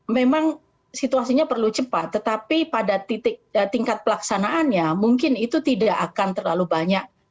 memang situasinya perlu cepat tetapi pada tingkat pelaksanaannya mungkin itu tidak akan terlalu banyak